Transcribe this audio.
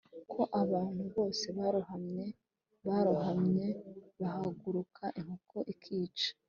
ko abantu bose barohamye barohamye bahaguruka inkoko ikica.